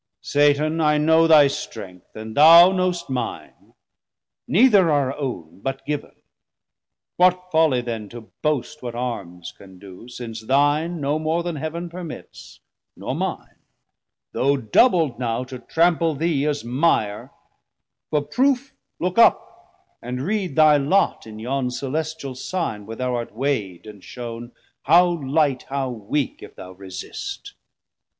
Satan, I know thy strength, and thou knowst mine, Neither our own but giv'n; what follie then To boast what Arms can doe, since thine no more Then Heav'n permits, nor mine, though doubld now To trample thee as mire: for proof look up, 1010 And read thy Lot in yon celestial Sign Where thou art weigh'd, & shown how light, how weak, If thou resist.